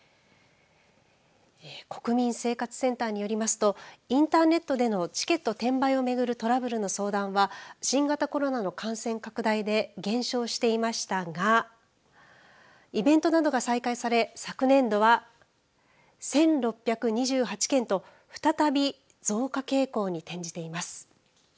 国民生活センターによりますとインターネットでのチケット転売を巡るトラブルの相談は新型コロナの感染拡大で減少していましたがイベントなどが再開され昨年度は１６２８件と再び増加傾向に転じています。